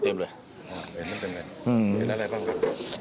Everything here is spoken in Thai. พี่นั่นอะไรบ้าง